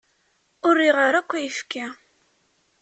Ur riɣ ara akk ayefki.